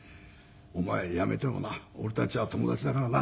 「お前やめてもな俺たちは友達だからな」